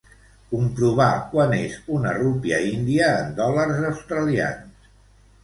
Comprovar quant és una rúpia índia en dòlars australians.